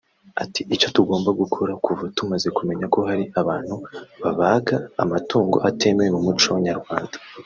Ati “Icyo tugomba gukora kuva tumaze kumenya ko hari abantu babaga amatungo atemewe mu muco nyarwanda